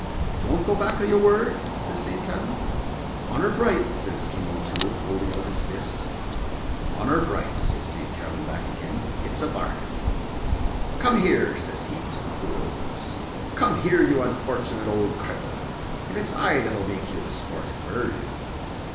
"You won't go back o' your word?" says Saint Kavin. "Honor bright!" says King O'Toole, holding out his fist. "Honor bright!" says Saint Kavin, back again, "it's a bargain. Come here!" says he to the poor old goose "come here, you unfortunate ould cripple, and it's I that'll make you the sporting bird."